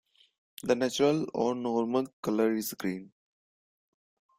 The natural, or 'normal' color is green.